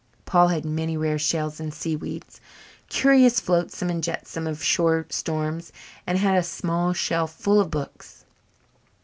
Paul had many rare shells and seaweeds, curious flotsam and jetsam of shore storms, and he had a small shelf full of books.